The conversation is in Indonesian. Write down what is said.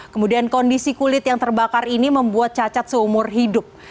kemudian kondisi kulit yang terbakar ini membuat cacat seumur hidup